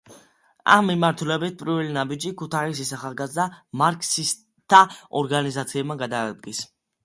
ამ მიმართულებით პირველი ნაბიჯი ქუთაისის ახალგაზრდა მარქსისტთა ორგანიზაციებმა გადადგეს.